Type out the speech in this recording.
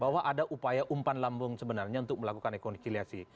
bahwa ada upaya umpan lambung sebenarnya untuk melakukan rekonsiliasi